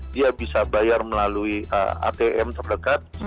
dia bisa bayar melalui atm terdekat